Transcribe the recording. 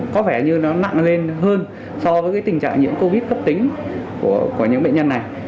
có vẻ như nó nặng lên hơn so với tình trạng nhiễm covid cấp tính của những bệnh nhân này